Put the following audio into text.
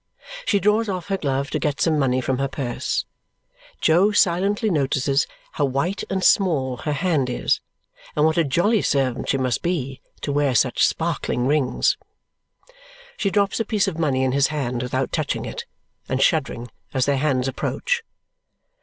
She draws off her glove to get some money from her purse. Jo silently notices how white and small her hand is and what a jolly servant she must be to wear such sparkling rings. She drops a piece of money in his hand without touching it, and shuddering as their hands approach.